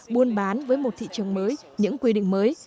buôn bán với một thị trường mới những quy định mới